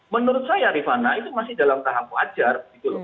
menurut saya rifana itu masih dalam tahap wajar